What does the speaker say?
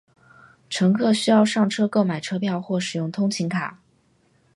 乘客需上车购买车票或使用通勤卡。